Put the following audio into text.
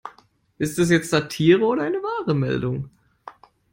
Ist das jetzt Satire oder eine wahre Meldung?